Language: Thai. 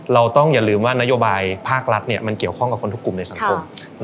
เราต้องอย่าลืมว่านโยบายภาครัฐมันเกี่ยวข้องกับคนทุกกลุ่มในสังคม